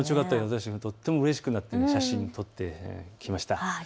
私もとってもうれしくなって写真を撮ってきました。